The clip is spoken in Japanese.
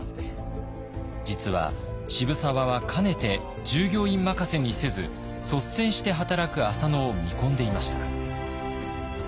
実は渋沢はかねて従業員任せにせず率先して働く浅野を見込んでいました。